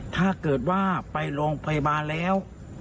ถ้าเกิดว่าไปโรงพยาบาลแล้ว